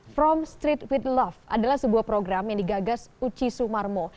from street with love adalah sebuah program yang digagas uci sumarmo